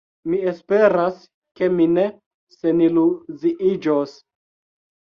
Mi esperas, ke mi ne seniluziiĝos.